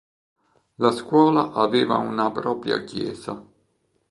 La scuola aveva una propria chiesa.